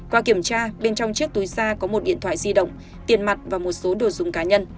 qua kiểm tra bên trong chiếc túi da có một điện thoại di động tiền mặt và một số đồ dùng